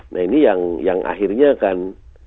nah ini yang akhirnya kan